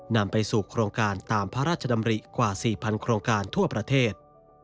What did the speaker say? นำไปสู่โครงการตามพระราชดำริกว่า๔๐๐โครงการทั่วประเทศ